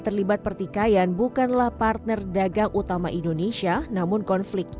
terlibat pertikaian bukanlah partner dagang utama indonesia namun konflik